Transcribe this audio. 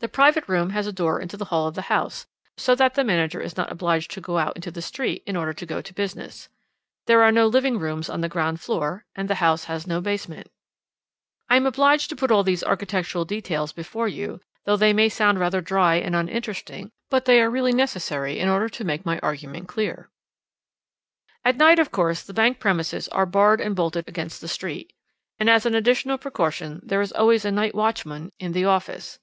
"The private room has a door into the hall of the house, so that the manager is not obliged to go out into the street in order to go to business. There are no living rooms on the ground floor, and the house has no basement. "I am obliged to put all these architectural details before you, though they may sound rather dry and uninteresting, but they are really necessary in order to make my argument clear. "At night, of course, the bank premises are barred and bolted against the street, and as an additional precaution there is always a night watchman in the office.